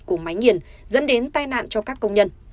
của máy nghiền dẫn đến tai nạn cho các công nhân